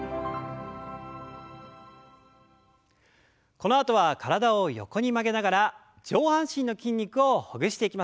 このあとは体を横に曲げながら上半身の筋肉をほぐしていきましょう。